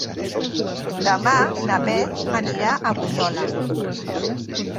Demà na Beth anirà a Bunyola.